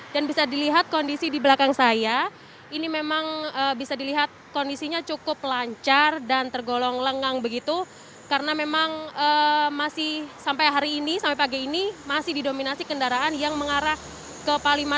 dan bisa dilihat kondisi di belakang saya ini memang bisa dilihat kondisinya cukup lancar dan tergolong lengang begitu karena memang masih sampai hari ini sampai pagi ini masih didominasi kendaraan yang mengarah ke palimanapak